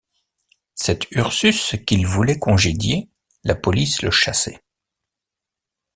Cet Ursus qu’il voulait congédier, la police le chassait.